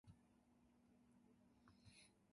青巻紙赤巻紙黄巻紙